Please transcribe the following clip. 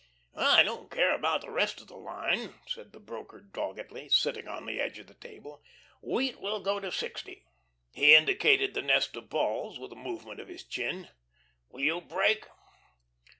"I don't care about the rest of the line," said the broker doggedly, sitting on the edge of the table, "wheat will go to sixty." He indicated the nest of balls with a movement of his chin. "Will you break?"